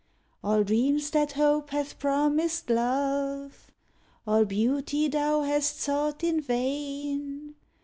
All dreams that Hope hath promised Love, All beauty thou hast sought in vain.